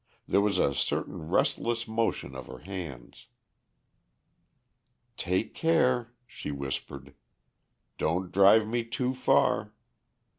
There was a certain restless motion of her hands. "Take care," she whispered. "Don't drive me too far.